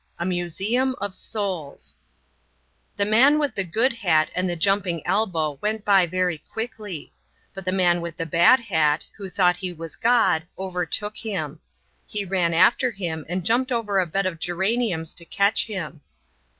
A MUSEUM OF SOULS The man with the good hat and the jumping elbow went by very quickly; yet the man with the bad hat, who thought he was God, overtook him. He ran after him and jumped over a bed of geraniums to catch him.